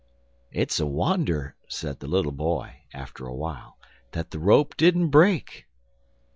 "It's a wonder," said the little boy, after a while, "that the rope didn't break."